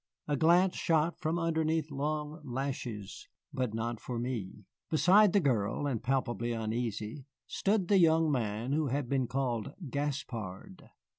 A glance shot from underneath long lashes, but not for me. Beside the girl, and palpably uneasy, stood the young man who had been called Gaspard.